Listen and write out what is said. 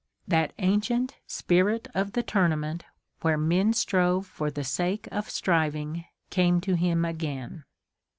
That ancient spirit of the tournament, where men strove for the sake of striving, came to him again.